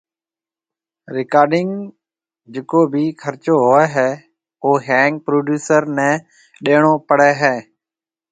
رڪارڊنگ جڪو بِي خرچو ھوئي ھيَََ او ۿينگ پروڊيوسر ني ڏيڻو پي ھيَََ